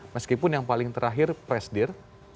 meskipun yang paling terakhir presidir